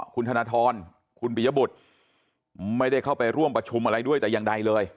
คุณธนทรคุณปิยบุตรไม่ได้เข้าไปร่วมประชุมอะไรด้วยแต่อย่างใดเลย